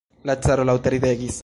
La caro laŭte ridegis.